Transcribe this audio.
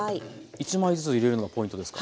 １枚ずつ入れるのがポイントですか？